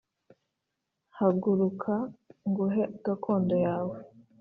Haguruka nguhe gakondo yawe